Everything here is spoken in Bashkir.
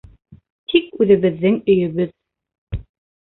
Тик үҙебеҙҙең өйөбөҙ...